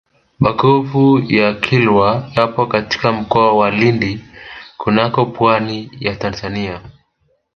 magofu ya kilwa yapo katika mkoa wa lindi kunako pwani ya tanzania